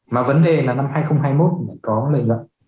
mà vấn đề là năm hai nghìn hai mươi một mới có lợi nhuận